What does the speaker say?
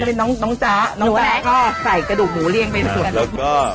สวงฟางให้สะอาดก็หั่นพอดีคำนะคะ